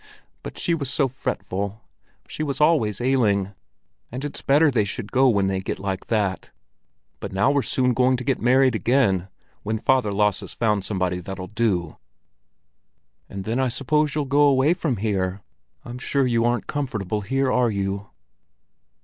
"But she was so fretful, she was always ailing; and it's better they should go when they get like that. But now we're soon going to get married again—when Father Lasse's found somebody that'll do." "And then I suppose you'll go away from here? I'm sure you aren't comfortable here, are you?"